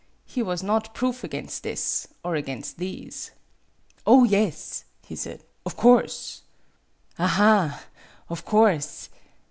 He was not proof against this, or against these. "Oh, yes," he said; "of course." "Aha! Of course.